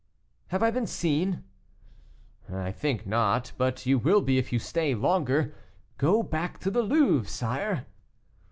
"Have I been seen?" "I think not; but you will be if you stay longer. Go back to the Louvre, sire."